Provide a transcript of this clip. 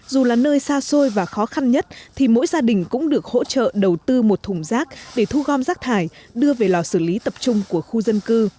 dù là nơi xa xôi và khó khăn nhất thì mỗi gia đình cũng được hỗ trợ đầu tư một thùng rác để thu gom rác thải đưa về lò xử lý tập trung của khu dân cư